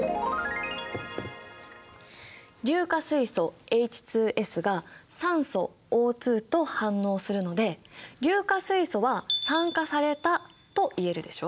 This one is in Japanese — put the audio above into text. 硫化水素ＨＳが酸素Ｏと反応するので硫化水素は酸化されたと言えるでしょ。